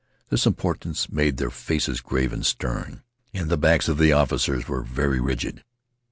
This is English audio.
This importance made their faces grave and stern. And the backs of the officers were very rigid.